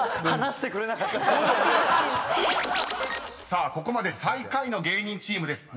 ［さあここまで最下位の芸人チームです］